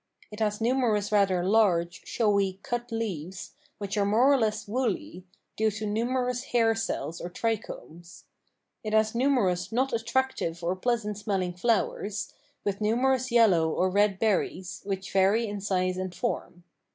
It has numerous rather large, showy, cut leaves, which are more or less woolly, due to numerous hair cells or trichomes. It has numerous not attractive or pleasant smelling flowers, with numerous yellow or red berries, which vary in size and form.